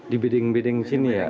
di bedeng bedeng sini ya